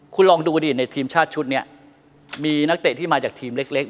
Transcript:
คุณลองดูดิในทีมชาติชุดนี้มีนักเตะที่มาจากทีมเล็ก